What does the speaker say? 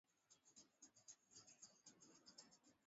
ulimwengu mzima Dunia ni kama baba na mama ambao